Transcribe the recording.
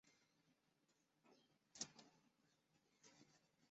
中华民国与东帝汶关系是指中华民国与东帝汶民主共和国之间的关系。